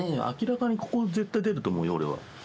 明らかにここ絶対出ると思うよ俺は。